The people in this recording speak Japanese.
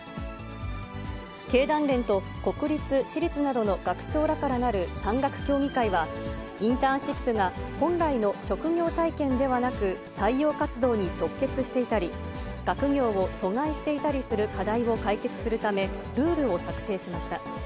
経団連と国立、私立などの学長らからなる産学協議会は、インターンシップが、本来の職業体験ではなく、採用活動に直結していたり、学業を阻害していたりする課題を解決するため、ルールを策定しました。